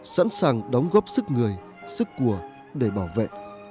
sẵn sàng đóng góp sức người sức của để bảo vệ